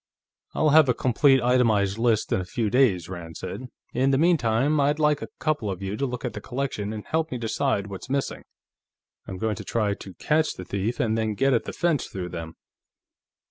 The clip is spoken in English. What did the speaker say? "I'll have a complete, itemized list in a few days," Rand said. "In the meantime, I'd like a couple of you to look at the collection and help me decide what's missing. I'm going to try to catch the thief, and then get at the fence through him."